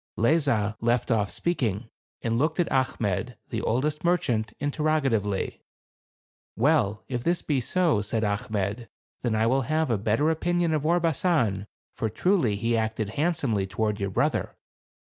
Lezah left off speaking, and looked at Achmet, the oldest merchant, interrogatively. "Well, if this be so," said Achmet, "then I will have a better opinion of Orbasan ; for truly, he acted handsomely toward your brother."